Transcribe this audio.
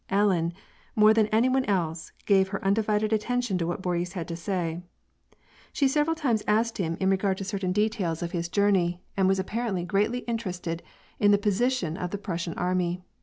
Ellen, more than any one else gave her undivided attention to what Boris had to say. She several times asked him in regard 92 WAR AND PEACE, to certain details of his journey, and was apparently greatly intere'Sted in tKe position of the Prussian army.